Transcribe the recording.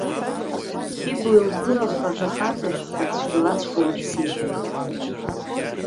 Хьыбла илԥырахаз ахаҵа шәпа цәгьалаҵәҟьа лыԥсы еибаиркуан.